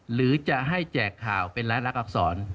หรือจะให้แจกข่าวเป็นรายลักษร